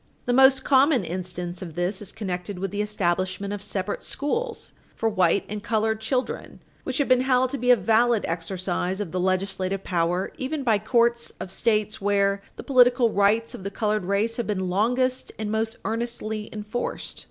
The most common instance of this is connected with the establishment of separate schools for white and colored children, which has been held to be a valid exercise of the legislative power even by courts of States where the political rights of the colored race have been longest and most earnestly enforced.